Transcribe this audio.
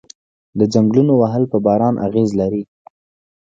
د ځنګلونو وهل په باران اغیز لري؟